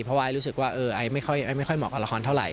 เพราะว่าไอรู้สึกว่าไอไม่ค่อยเหมาะกับละครเท่าไห